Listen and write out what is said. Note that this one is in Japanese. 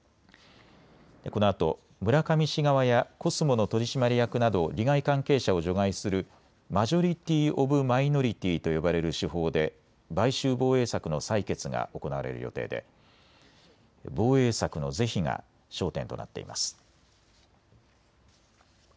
このあと村上氏側やコスモの取締役など利害関係者を除外するマジョリティー・オブ・マイノリティーと呼ばれる手法で買収防衛策の採決が行われる予定で防衛策の是非が焦点となっています。